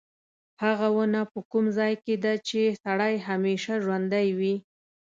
هغه ونه په کوم ځای کې ده چې سړی همیشه ژوندی وي.